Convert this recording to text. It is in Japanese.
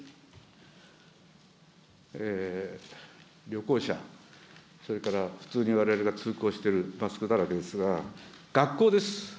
旅行者、それから普通にわれわれが通行しているマスクだらけですが、学校です。